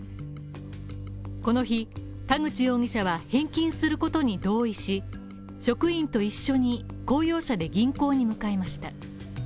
この日、田口容疑者は返金することに同意し、職員と一緒に公用車で銀行に向かいました。